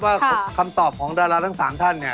ว่าคำตอบของดาราทั้ง๓ท่าน